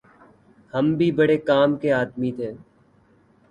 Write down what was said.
ہم بھی بھڑے کام کے آدمی تھے